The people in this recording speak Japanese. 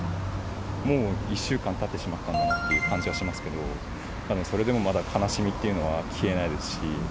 もう１週間たってしまったんだなっていう感じはしますけど、それでもまだ悲しみっていうのは消えないですし。